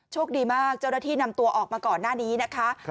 โชคดีมากเจ้าหน้าที่นำตัวออกมาก่อนหน้านี้นะคะ